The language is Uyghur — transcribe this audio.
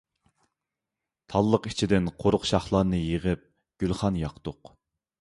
تاللىق ئىچىدىن قۇرۇق شاخلارنى يىغىپ گۈلخان ياقتۇق.